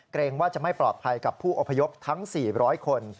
เกรงว่าจะไม่ปลอดภัยกับผู้อพยพทั้ง๔๐๐คน